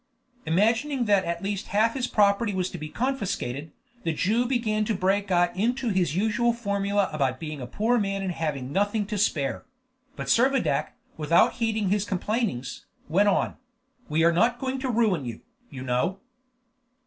Imagining that at least half his property was to be confiscated, the Jew began to break out into his usual formula about being a poor man and having nothing to spare; but Servadac, without heeding his complainings, went on: "We are not going to ruin you, you know."